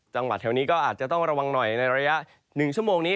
จังหวัดแถวนี้ก็อาจจะต้องระวังหน่อยในระยะ๑ชั่วโมงนี้